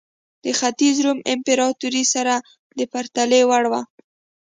د ختیځ روم امپراتورۍ سره د پرتلې وړ وه.